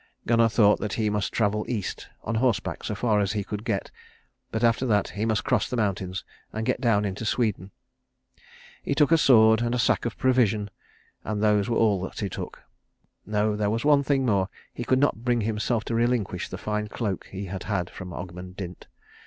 Gunnar thought that he must travel East on horseback so far as he could get, but after that, he must cross the mountains and get down into Sweden. He took a sword and a sack of provision, and those were all that he took. No, there was one thing more. He could not bring himself to relinquish the fine cloak he had had from Ogmund Dint.